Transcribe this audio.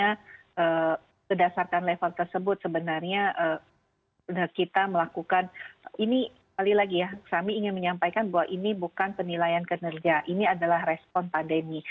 karena berdasarkan level tersebut sebenarnya kita melakukan ini kali lagi ya kami ingin menyampaikan bahwa ini bukan penilaian kinerja ini adalah respon pandemi